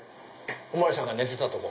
お巡りさんが寝てたとこ。